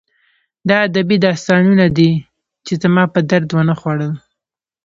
دا ادبي داستانونه دي چې زما په درد ونه خوړل